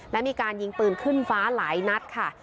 และมีการยิงปืนขึ้นฟ้าหลายนัดค่ะ